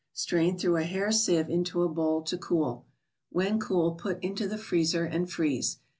Strain through a hair sieve into a bowl to cool. When cool, put into the freezer and freeze.